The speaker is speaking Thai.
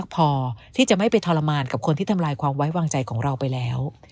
พอที่จะไม่ไปทรมานกับคนที่ทำลายความไว้วางใจของเราไปแล้ว